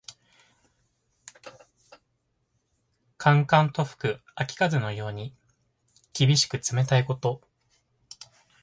寒々と吹く秋風のように、厳しく冷たいこと。